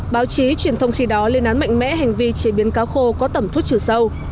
báo chí truyền thông khi đó lên án mạnh mẽ hành vi chế biến cá khô có tẩm thuốc trừ sâu